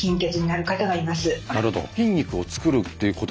なるほど。